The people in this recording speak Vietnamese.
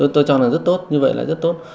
tôi cho là rất tốt như vậy là rất tốt